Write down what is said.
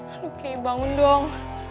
aduh kek bangun dong